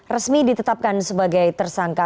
resmi ditetapkan sebagai tersangka